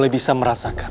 lakukan makhluk situasi ini